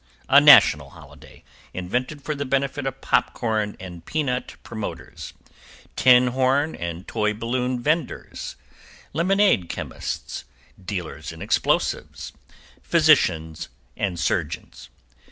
= A national holiday, invented for the benefit of popcorn and peanut promoters; tin horn and toy balloon vendors; lemonade chemists; dealers in explosives; physicians and surgeons.